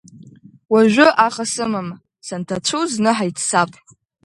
Уажәы аха сымам, санҭацәу зны ҳаиццап…